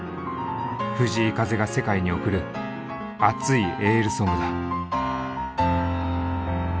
藤井風が世界に贈る熱いエールソングだ。